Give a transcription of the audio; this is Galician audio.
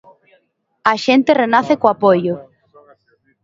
A xente renace co apoio.